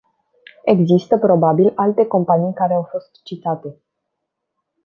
Există, probabil, alte companii care au fost citate.